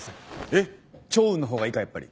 えっ趙雲の方がいいかやっぱり。